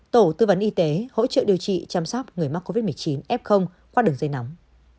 tổ tư vấn y tế hỗ trợ điều trị chăm sóc người mắc covid một mươi chín f qua đường dây nóng